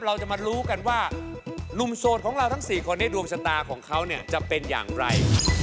เราจะมารู้กันว่าหนุ่มโสดของเราทั้ง๔คนในดวงชะตาของเขาเนี่ยจะเป็นอย่างไร